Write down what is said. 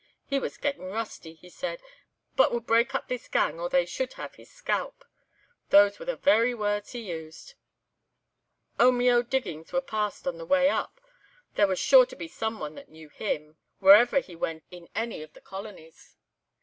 'He was getting rusty,' he said, 'but would break up this gang or they should have his scalp.' These were the very words he used. "Omeo diggings were passed on the way up. There was sure to be some one that knew him, wherever he went in any of the colonies.